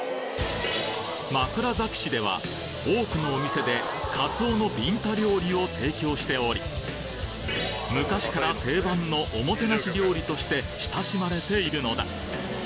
枕崎市では、多くのお店でカツオのビンタ料理を提供しており、昔から定番のおもてなし料理として親しまれているのだ。